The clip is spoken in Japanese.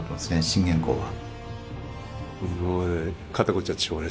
信玄公は。